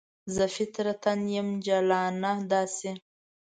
زه فطرتاً یم جلانه داسې